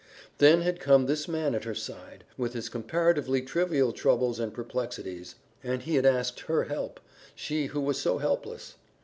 Then had come this man at her side, with his comparatively trivial troubles and perplexities, and he had asked her help she who was so helpless.